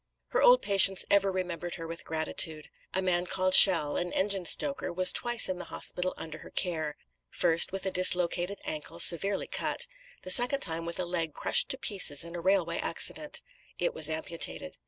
'" Her old patients ever remembered her with gratitude. A man called Chell, an engine stoker, was twice in the hospital under her care, first with a dislocated ankle, severely cut; the second time with a leg crushed to pieces in a railway accident. It was amputated.